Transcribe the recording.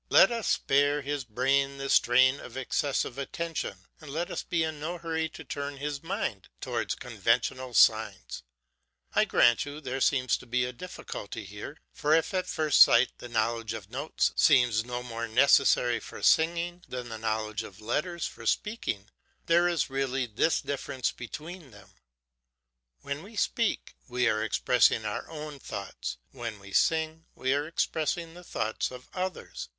Let us spare his brain the strain of excessive attention, and let us be in no hurry to turn his mind towards conventional signs. I grant you there seems to be a difficulty here, for if at first sight the knowledge of notes seems no more necessary for singing than the knowledge of letters for speaking, there is really this difference between them: When we speak, we are expressing our own thoughts; when we sing we are expressing the thoughts of others.